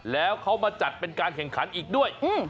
แล้วเขามาจัดเป็นการแข่งขันอีกด้วย